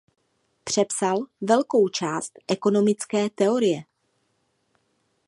Přepsal velkou část ekonomické teorie.